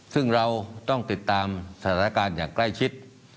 ซึ่งเราต้องติดตามสถานการณ์อย่างใกล้ชิด